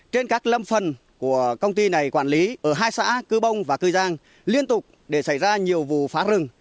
trên các lâm phần của công ty này quản lý ở hai xã cư bông và cư giang liên tục để xảy ra nhiều vụ phá rừng